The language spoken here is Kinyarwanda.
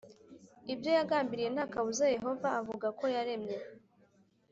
Ibyo yagambiriye nta kabuza yehova avuga ko yaremye